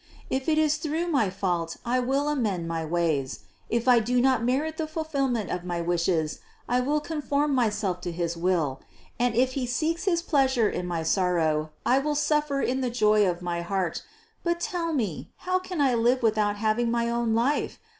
If it is through my fault, I will amend my ways ; if I do not merit the fulfillment of my wishes, I will conform myself to his will; and if He seeks his pleasure in my sorrow, I will suffer in the joy of my heart; but tell me, how can I live without having my own life?